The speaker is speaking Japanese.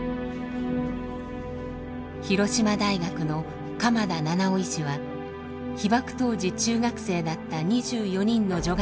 広島大学の鎌田七男医師は被爆当時中学生だった２４人の女